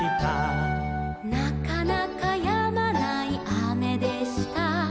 「なかなかやまないあめでした」